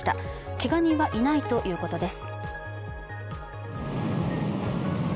けが人はいないということです。